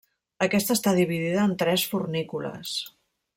Aquesta està dividida en tres fornícules.